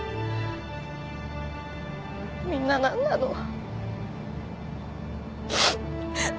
みんな何なの？